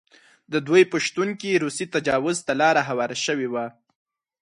د دوی په شتون کې روسي تجاوز ته لاره هواره شوې وه.